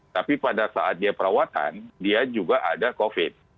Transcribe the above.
tapi pada saat dia perawatan dia juga ada covid